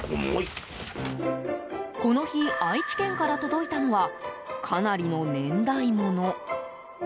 この日、愛知県から届いたのはかなりの年代もの。